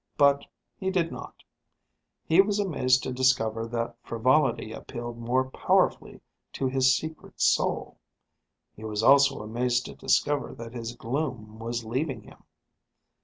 But he did not. He was amazed to discover that frivolity appealed more powerfully to his secret soul. He was also amazed to discover that his gloom was leaving him.